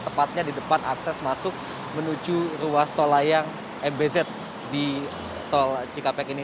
tepatnya di depan akses masuk menuju ruas tol layang mbz di tol cikampek ini